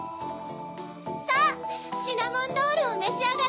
さぁシナモンロールをめしあがれ！